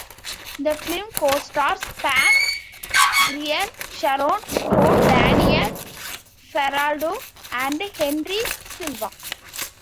The film co-stars Pam Grier, Sharon Stone, Daniel Faraldo and Henry Silva.